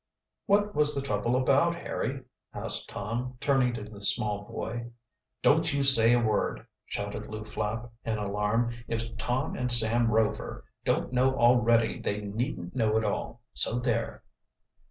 "What was the trouble about, Harry?" asked Tom, turning to the small boy. "Don't you say a word!" shouted Lew Flapp, in alarm. "If Tom and Sam Rover don't know already they needn't know at all, so there."